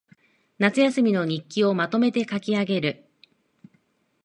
夏休みの日記をまとめて書きあげる